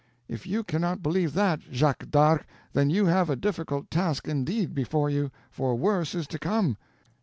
"If you cannot believe that, Jacques d'Arc, then you have a difficult task indeed before you, for worse is to come.